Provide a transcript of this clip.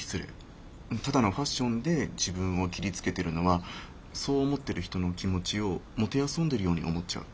ただのファッションで自分を切りつけてるのはそう思ってる人の気持ちを弄んでるように思っちゃう。